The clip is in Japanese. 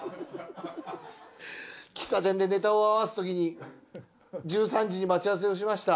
喫茶店でネタを合わすときに１３時に待ち合わせをしました。